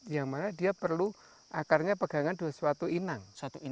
yang mana dia perlu akarnya pegangan suatu inang